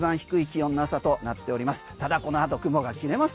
今シーズン一番低い気温の朝となっております。